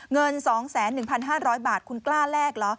เงินสองแสนหนึ่งพันห้าร้อยบาทคุณกล้าแลกเหรอ